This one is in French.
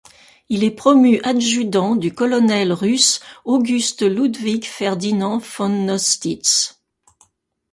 Il est promu adjudant du colonel russe August Ludwig Ferdinand von Nostitz.